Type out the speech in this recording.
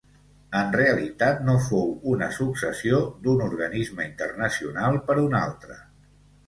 En realitat no fou una successió d'un organisme internacional per un altre.